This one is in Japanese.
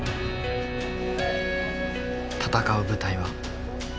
戦う舞台は。